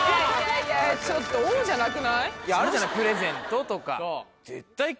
いやあるじゃないプレゼントとか。